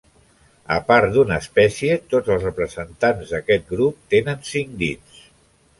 A part d'una espècie, tots els representants d'aquest grup tenen cinc dits.